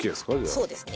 そうですね。